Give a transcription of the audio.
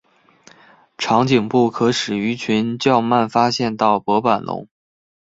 长颈部可使鱼群较慢发现到薄板龙。